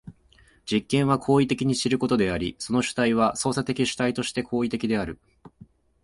実験は行為的に知ることであり、その主体は操作的主体として行為的である。